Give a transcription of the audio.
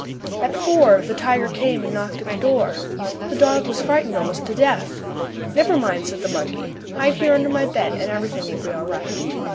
At four the tiger came and knocked at the door. The dog was frightened almost to death. "Never mind," said the monkey. "Hide here under my bed and everything will be all right."